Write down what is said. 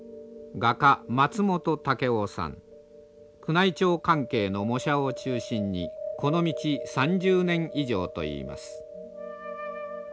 宮内庁関係の模写を中心にこの道３０年以上といいます。